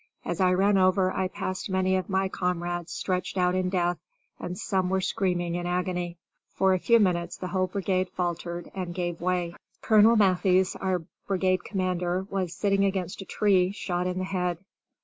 As I ran over I passed many of my comrades stretched out in death, and some were screaming in agony. For a few minutes the whole brigade faltered and gave way. Colonel Matthies, our brigade commander, was sitting against a tree, shot in the head.